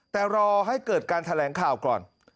แต่รอให้เกิดการแถลงข่าวก่อน